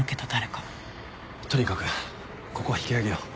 とにかくここは引き揚げよう。